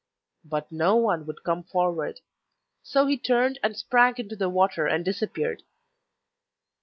But no one would come forward. So he turned and sprang into the water and disappeared.